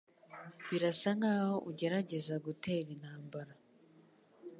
Birasa nkaho ugerageza gutera intambara.